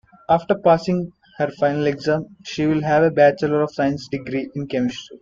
After passing her final exam she will have a bachelor of science degree in chemistry.